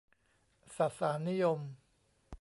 สสารนิยม